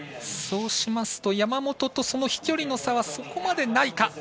そうしますと山本と飛距離の差はそこまでないか。